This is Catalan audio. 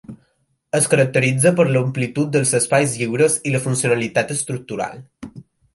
Es caracteritza per l'amplitud dels espais lliures i la funcionalitat estructural.